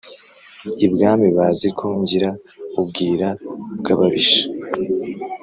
ibwami bazi ko ngira ubwira bw’ababisha